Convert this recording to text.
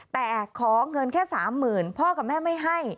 แต่ขอเงินแค่๓๐๐๐พ่อกับแม่ไม่ให้